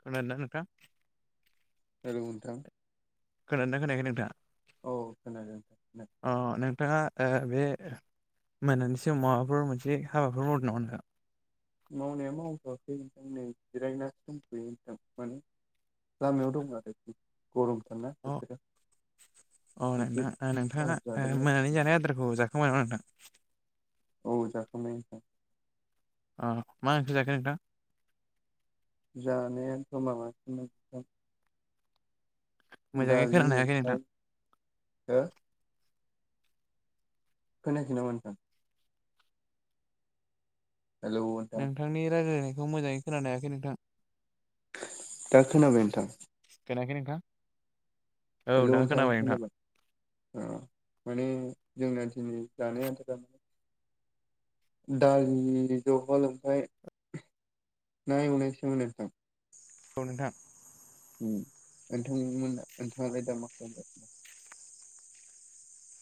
खोनादोना नोंथां? हेलौ नोंथां खोनादोना खोनायाखै नोंथाङा? औ खोनादो नो अ नोंथाङा ओ बे मोनानि समाव माबाफोर मोनसे हाबाफोर मावदों नामा नोंथां? मावनाया मावथ'वाखै नोंथां नै जिरायनासो दंथयो नोंथां माने लामायाव दं आरो बि ना बिथोरा अ नोंथां ओ नोंथाङा ओ जादों मोनानि आरोखि जानाय आदारखौ जाखांबाय नामा नोंथां? औ जाखांबाय नोंथां। अ मा ओंख्रि जाखो नोंथां? जानायानोथ' माबासोमोन मोजाङै दालि खोनानो हायाखै नोंथां ओमफाय हो खोनायाखै नामा नोंथां? हेलौ नोंथां नोंथांनि रायज्लायनायखौ मोजाङै खोनानो हायाखै नोंथां? दा खोनाबाय नोंथां खोनाखै नोंथां हेलौ! नोंथां खोनाबाय अ माने जोंना दिनि जानाय आदारानो दालि जह ओमफ्राय ना एवनाय सोमोन नोंथां औ नोंथां उम नोंथांमोना नोंथाङालाय दा मा खालामगासिनो?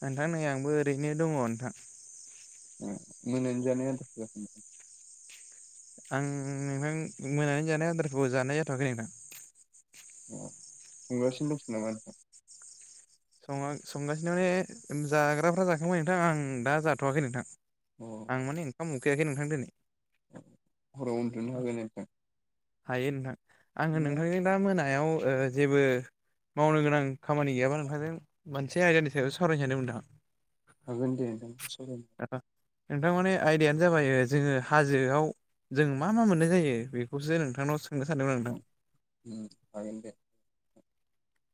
नोंथां नै आंबो ओरैनो दङ नोंथां। उम मोनानि जानाय आदारखौ होआखै नोंथां? आं नों मोनानि जानाय आदारफोरखौ जानाय जाथ'वाखै नोंथां। अ संगासिनो दंखोमा मानसिया? स-संगासिनो माने जाग्राफ्रा जाखांबाय नोंथां आं दा जाथ'वाखै नोंथां। अ आं माने ओंखाम उखैयाखै नोंथां दिनै हराव उन्दुनो हागोना हाया नोंथां? हायो नोंथां आङो ना नोंथांजों दा मोना हायाव जेबो मावनो गोनां खामानि गैयाबा नोंथांजों मोनसे आयदानि सायाव सावरायनो सान्दोंमोन नोंथां? हागोन दे नोंथां सावरायनो नोंथां माने आयदायानो जाबाय जोङो हाजोआव जों मा मा मोननाय जायो बेखौसो नोंथांनाव सों हागोन दे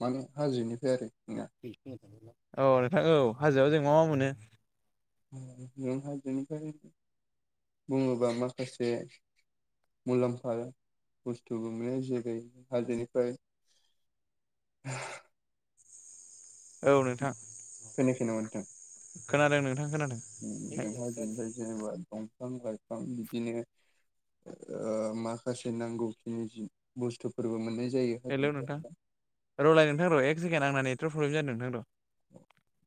माने हाजोनि [unintelligible] अ नोंथां औ हाजोआव जों मा मा मोनो नों हाजोनिफ्राय बुङोबा माखासे मुलाम्फा बुस्थुबो मोनो जेरै हाजोनिफ्राय [unintelligible] औ नोंथां खोनायाखै नामा नोंथां? खोनादों नोंथां खोनादों ओम जोमहाय जेनेबा दंफां-लाइफां बिदिनो ओ माखासे नांगौखिनि बुस्थुफोरबो मोननाय जा हेलौ नोंथां रलाय नोंथां र' एक सेकेण्ड आंना नेटवारक प्रब्लेम जादों नोंथां र' [inaudible]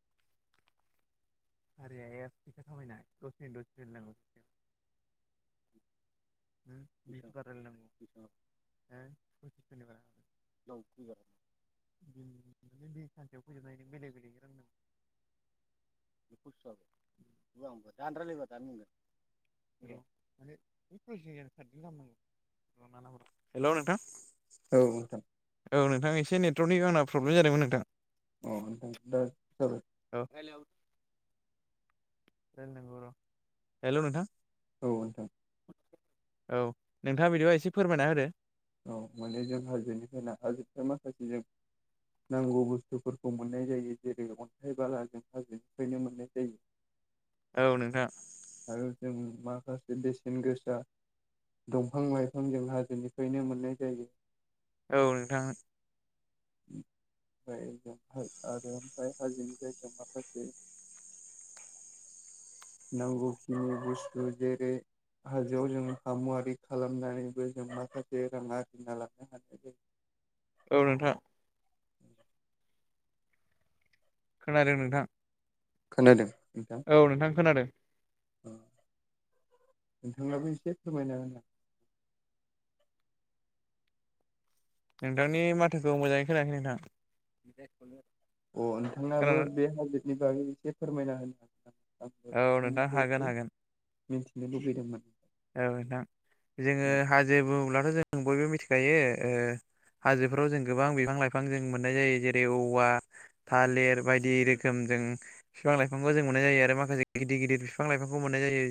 [inaudible] [unintelligible] [inaudible] [inaudible] [unintelligible] हेल' नोंथां औ नोंथां औ नोंथां एसे नेटवर्कनि आंना प्रब्लेम जादोंमोन नोंथां। अ दा औ हेल हेल' नोंथां औ नोंथां औ नोंथाङा बिदिबा एसे फोरमायना होदो औ मोनाने जों हाजोनिफ्राय ना हाजोनिफ्राय माखासे जों नांगौ बुस्थुफोरखौ मोननाय जायो जेरै अन्थाइ बालाजों हाजोनिफ्रायनो मोननाय जायो। [inaudible] नोंथां आरो जोङो माखासे बेसेन गोसा दंफां लाइफां जों हाजोनिफ्रायनो मोननाय जायो औ नोंथां ओमफ्राय आरो ओमफ्राय हाजोनि जायगायाव माखासे [inaudible] नांगौखिनि बुस्थु जेरै हाजोआव जों हामुआरि खालामनानैबो जों माखासे रां आरजिना लानो हानाय जायो औ नोंथां खोनादों नोंथां खोनादों औ नोंथां खोनादों अ नोंथांनाबो एसे फोरमाय होना [inaudible] नोंथांनि माथोखौ मोजाङै खोनायाखै नोंथां अ नोंथांनाबो खोनादों बे हाजोदनि बागै एसे फोरमायना होनो हागां औ नोंथां हागोन हागोन मिथिनो लुबैदोंमोन औ नोंथां जोङो औ हाजो बुङोब्लाथ' जों बयबो मिथिखायो हाजोफोराव जों गोबां बिफां लाइफां जों मोननाय जायो जेरै औवा थालिर बायदि रोखोम जों बिफां लाइफांखौ जों मोननाय जायो आरो माखासे गिदिर गिदिर बिफां लाइफांखौ मोननाय जायो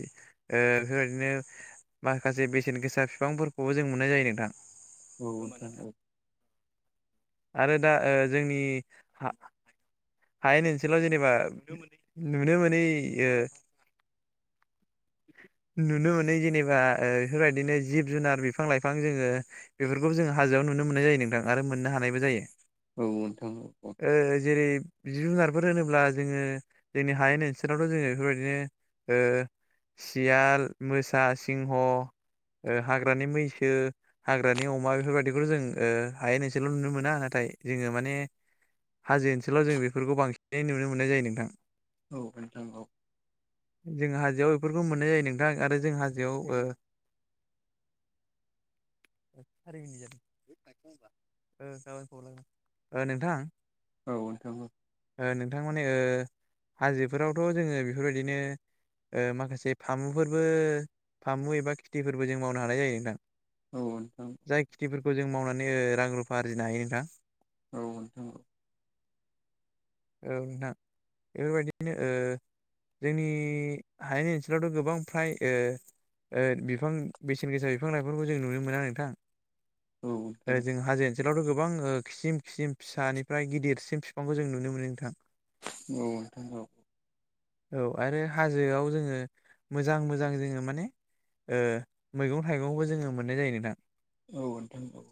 बेफोरबायदिनो माखासे बेसेन गोसा बिफांफोरखौबो जों मोननाय जायो नोंथां औ दे आरो दा जोंनि हायेन ओनसोलाव जेनेबा नु मोन नुनो मोनै [inaudible] नुनो मोनो जेनेबा बेफोरबायदिनो जिब जुनार बिफां लाइफां जोङो बेफोरखौ जोङो हाजो आव नुनो मोननाय जायो नोंथां आरो मोननो हानायबो जायो औ नोंथांऔ ओ जेरै जिब जुनारफोर होनोब्ला जोङो जोंनि हायनि ओनसोलावथ' जोङो बेफोरबायदिनो सियाल मोसा सिंह हाग्रानि मैसो हाग्रानि अमा बेफोरबायदिखौ' जों हाय नसेल' नुनो मोना नाथाय जोङो माने हाजो ओनसोलाव जों बेफोरखौ बांसिनै नुनो मोननाय जायो नोंथां औ नोंथां औ जों हाजोआव बेफोरखौ मोननाय जायो नोंथां आरो जों हाजोआव [inaudible] अ नोंथां औ नोंथाङाबो नोंथांमानि हाजो फोरावथ' जोङो बेफोरबायदिनो माखासे फामुफोरबो फामु एबा खिथिफोरबो जों मावनो हानाय जायो नोंथां औ नोंथां जाय खिथिफोरखौ जों मावनानै रां रुफा आरजिनो हायो नोंथां औ नोंथां अ औ नोंथां बेफोरबायदिनो जोंनि हायानि ओनसोलावथ' गोबां फ्राय बिफां बेसेन गोसा बिफां लाइफांफोरखौ जों नुनो मोना नोंथां ओ औखनो जों हाजो ओनसोलावथ' गोबां खिसिम खिसिम फिसानिफ्राय गिदिरसिम बिफांखौ जों नुनो मोनो नोंथां औथां औ औ आरो हाजोआव जोङो मोजां मोजां जोङो माने मैगं थाइगंबो जोङो मोननाय जायो नोंथां औ नोंथां औ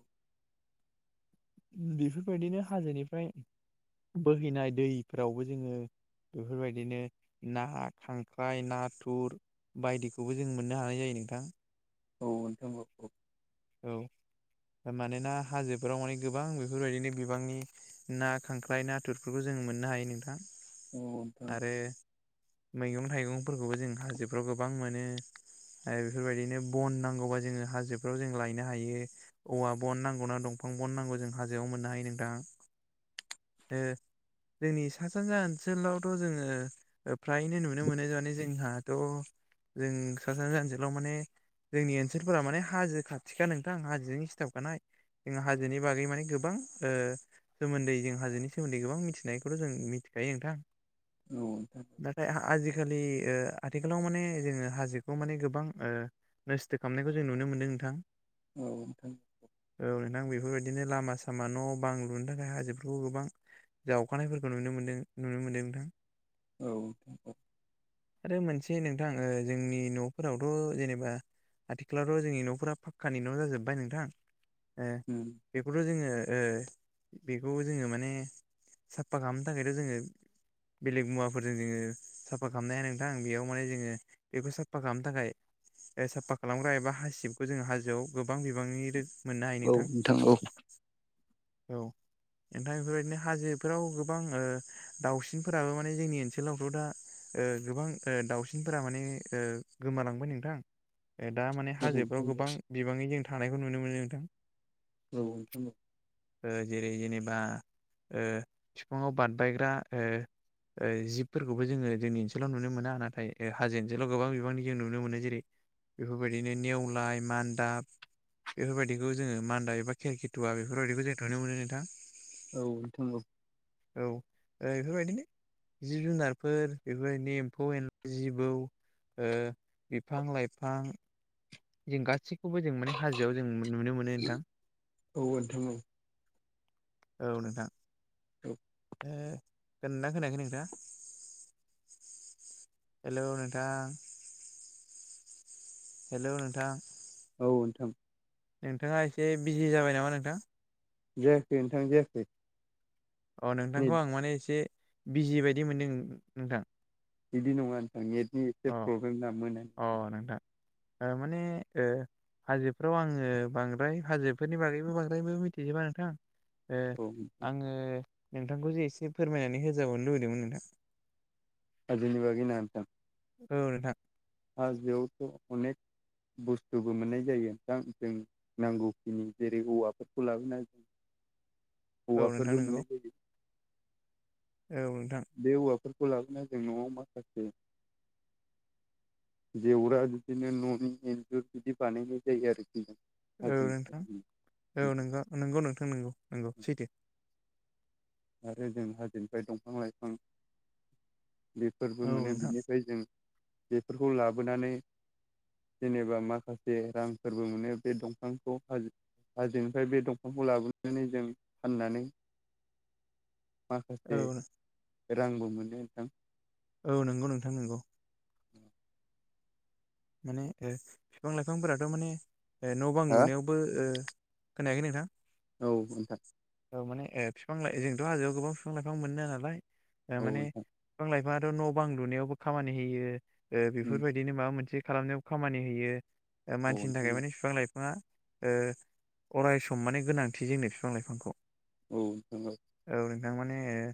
बेफोरबायदिनो हाजोनिफ्राय बोहैनाय दैफोरावबो जोङो बेफोरबायदिनो ना खांख्राइ नाथुर बायदिखौबो जों मोननो हानाय जायो। नोंथां औ [unintelligible] औ मानोना हाजोफोराव माने गोबां बेफोरबायदिनो बिबांनि ना खांख्राय नाथुरफोरखौ जों जों मोननो हायो नोंथां उम ओरो मैगं थाइगंफोरखौबो जों हाजोफ्राव गोबां मोनो। बेफोरबायदिनो बन नांगौबा जोङो हाजोफ्राव जो लायनो हायो औवा बन नांगौ ना दंफां बन नांगौ जों हाजोआव मोननो हायो नोंथां। ओ जोंनि सा सानजा ओनसोलावथ' जोङो फ्रायनो नुनो मोनो माने जोंहाथ' जों सा साना ओनसोलाव माने जोंनि ओनसोलफोरा माने हाजो खा थिखा नोंथां हाजोनि सिथाबखानाय जों हाजोनि बागै माने गोबां। सोमोन्दै जों हाजोनि सोमोन्दै गोबां मिथिनायखौथ' जों मिथिखायो नोंथां नाथाय आजिखालि आथिखालाव माने जोङो हाजोखौ माने गोबां नस्थ' खालामनायखौ जों नुनो मोनदों नोंथां। औ नोंथां बेफोरबायदि बिदिनो लामा सामा न' बां लुनो थाखाय हाजोफोरखौ गोबां जावखानायफोरखौ नुनो मोनदों नुनो मोन्दों नोंथां। औ आरो मोनसे नोंथां जोंनि न'फोरावथ' जेनेबा आथिखालावथ' जोंनि न'फोरा फ कानि न' जाजोब्बाय नोंथां बेखौथ' जोङो बेखौ जोङो माने साफा खालामनो थाखायथ' जोङो बेलेग मुवाफोरजों जोङो साफा खालामनोनाय हाया नोंथां बेयाव माने जोङो बेखौ साफा खालामनो थाखाय साफा खालामग्रा एबा हासिबखौ जोङो हाजोआव गोबां बिबांनि मोननो हायो औ नोंथां औ ओमफ्राय बेफोरबायदिनो हाजोफोराव गोबां दाउसिनफोराबो माने जोंनि ओनसोलावथ' दा ओ गोबां ओ दाउसिनफोरा माने ओ गोमालांबाय नोंथां। दा माने औ हाजोफ्राव नोंथां गोबां बिबाङै जों थानायखौ नुनो मोनो नोंथां। औ औ नोंथां ओ जेरै जेनेब बा ओ फिफाङाव बारबायग्रा ओ जिबफोरखौबो जोङो जोंनि ओनसोलाव नुनो मोना नाथाय हाजो ओनसोलाव गोबां बिबांनि जों नुनो मोनो जेरै बेफोरबायदिनो नेवलाय मान दा बेफोरबायदिखौ जोङो मान्दा एबा खेरखिथुवा बेफोरबायदिखौ जों थुनो मोनो नोंथां। औ थंगौ। औ ओ बेफोरबायदिनो जिब जुनारफोर बेफोरबायदिनो एम्फौ एनला जिबौ ओ बिफां लाइफां जों गासै खौबो जों माने हाजोआव जों नुनो मोनो नोंथां। नोंथां औ नोंथां। औ ओ खोनादोना खोनायाखै नोंथाङा। हेलौ नोंथां। हेलौ नोंथां। औ नोंथां। नोंथाङा एसे बिजि जाबाय नामा नोंथां। जायाखै नोंथां जायाखै। अ नै नोंथांखौ आं माने एसे बिजि बायदि मोन्दों नोंथां। बिदि नङा नोंथां नेटनि एसे अ प्रब्लेम ना मोना अ नोंथां ओ माने ओ हाजोफ्राव आङो बांद्राय हाजोफोरनि बागैबो बांद्रायबो मिथिजोबा नोंथां। ओ औ आङो नोंथांखौ जे एसे फोरमायनानै होजाबावनो लुबैदोमोन नोंथां। हाजोनि बागै ना नोंथां। औ नोंथां। हाजोआवथ अनेक बुस्थुबो मोन्नाय जायो दा जों नांगौखिनि जेरै औवाफोरखौ लाबोनो हायो औ नोंथां औवाफोरबो नंगौ मोन्नाय जायो। औ नोंथां। बेफोरखौ लाबोना जों नआव माखासे जेवरा बिदिनो ननि इन्जुर बिदि बानायनाय जायो आरोखि। जों औ नोंथां हाजोनिफ्राय औ नोंगा नंगौ नोंथां नोंगौ नंगौ सैथो। आरो जों हाजोनिफाय दंफां लाइफां बेफोरबो औ मोनो नोंथां बिनिफाय जों बेफोरखौ लाबोनानै जेनेबा माखासे रांफोरबो मोनो बे दंफांखौ हाजो हाजोनिफाय बे दंफांखौ लाबोनानै जों फाननानै माखासे औ रांबो मोनो नोंथां। औ नोंगौ नोंथां नोंगौ। माने ओ फिफां लाइफांफोराथ माने ओ नबां हा लुनायावबो ओ खोनायाखै नोंथां। औ नोंथां औ माने ओ फिफां ला जोंथ हाजोआव गोबां फिफां लाइफां मोनो नालाय ओ औ माने नोंथां बिफां लाय ङाथ नबां लुनायावबो खामानि होयो ओ उम बेफोरबायदिनो माबा मोनसे खालामनायाव खामानि होयो ओ औ मानसिनि नोंथां थाखाय माने फिफां लाइफाङा ओ अरायसम माने गोनांथि जोंनो फिफां लाइफांखौ। औ नोंथां औ। थां माने ओ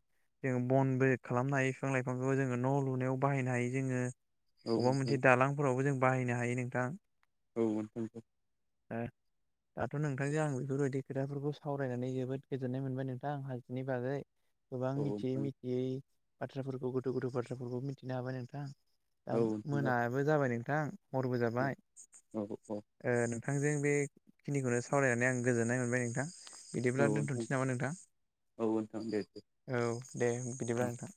जोङो बनबो खालामनो हायो फिफां लाइफांखौ जोङो न लुनायाव बाहायनो हायो जोङो। औ अबा नोंथां मोनसे दालांफोरावबो जों बाहायनो हायो नोंथां। औ नोंथां औ ओ दाथ नोंथांजों आं बेफोरबायदि खोथाफोरखौ सावरायनानै जोबोद गोजोन्नाय मोनबाय नोंथां हाजोनि बागै। गोबां औ मिथियै नोंथां मिथियै बाथ्राफोरखौ गोथौ गोथौ बाथ्राफोरखौ मिथिनो हाबाय नोंथां। दा औ नोंथां औ नोंथां औ मोनाबो जाबाय नोंथां हरबो जाबाय औ औ ओ नों थांजों बे खिनिखौनो सावरायनानै आं गोजोन्नाय मोनबाय नोंथां। बिदिब्ला औ नोंथां दोनथनसै नामा नोंथां औ नोंथां दे दे औ दे औ बिदिब्ला नोंथां।